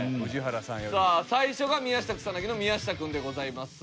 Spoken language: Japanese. さあ最初が宮下草薙の宮下君でございます。